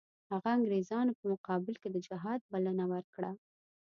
هغه انګریزانو په مقابل کې د جهاد بلنه ورکړه.